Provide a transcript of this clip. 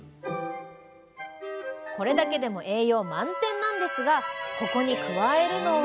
これだけでも栄養満点なんですがここに加えるのは